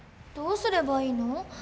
どうすればいいの？